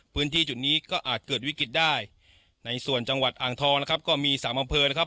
พื้นที่จุดนี้ก็อาจเกิดวิกฤตได้ในส่วนจังหวัดอ่างทองนะครับก็มีสามอำเภอนะครับ